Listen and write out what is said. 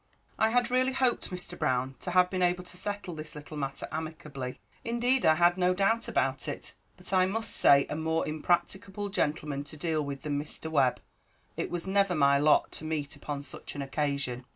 "I had really hoped, Mr. Brown, to have been able to settle this little matter amicably; indeed I had no doubt about it; but I must say a more impracticable gentleman to deal with than Mr. Webb, it was never my lot to meet upon such an occasion."